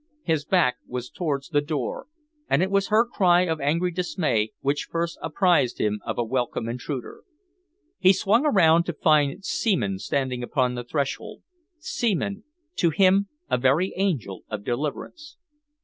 His back was towards the door, and it was her cry of angry dismay which first apprised him of a welcome intruder. He swung around to find Seaman standing upon the threshold Seaman, to him a very angel of deliverance.